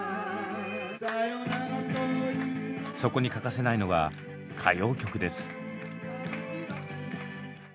そこに欠かせないのが歌謡曲です。